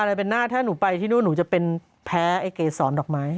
อะไรเป็นหน้าถ้าหนูไปที่นู่นหนูจะเป็นแพ้ไอ้เกษรดอกไม้